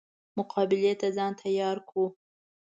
مقابلې ته ځان تیار کړو.